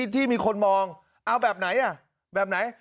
ที่มีคนมองเอาแบบไหนแบบไหน